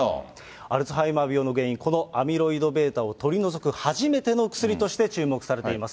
アルツハイマー病の原因、このアミロイドβを取り除く初めての薬として注目されています。